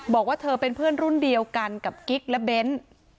บอกว่าเธอเป็นเพื่อนรุ่นเดียวกันกับกิ๊กและเบ้น